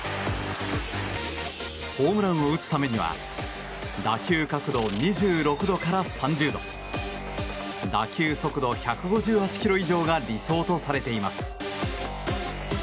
ホームランを打つためには打球角度２６度から３０度打球速度１５８キロ以上が理想とされています。